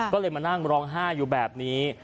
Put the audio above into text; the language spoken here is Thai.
ก็เลยมานั่งร้องไห้อยู่แบบนี้